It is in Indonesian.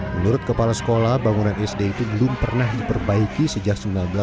menurut kepala sekolah bangunan sd itu belum pernah diperbaiki sejak seribu sembilan ratus sembilan puluh